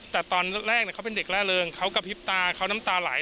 แต่ตอนแรกเขาเป็นเด็กล่าเริงเขากระพริบตาเขาน้ำตาไหล